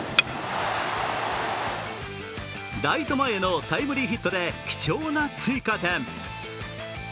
ライト前へのタイムリーヒットで貴重な追加点。